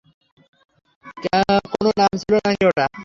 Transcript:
কোনো নাম ছিলো নাকি এটা?